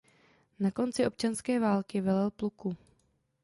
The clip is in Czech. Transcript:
Na konci občanské války velel pluku.